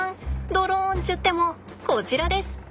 ドローンっちゅってもこちらです。